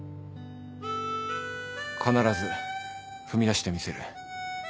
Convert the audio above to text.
必ず踏み出してみせる。